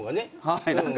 はい。